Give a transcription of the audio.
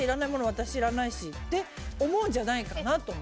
私、いらないしって思うんじゃないかなと思う。